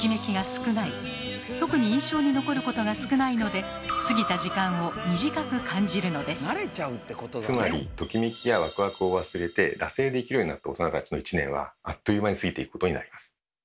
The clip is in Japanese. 特に印象に残ることが少ないのでつまりトキメキやワクワクを忘れて惰性で生きるようになった大人たちの１年はあっという間に過ぎていくことになります。